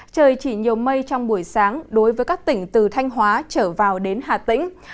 trời chỉ nhiều mây trong buổi sáng đối với các tỉnh từ thanh hóa trở vào đến hà tĩnh